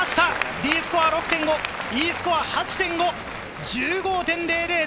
Ｄスコア６．５、Ｅスコア８．５、１５．０００。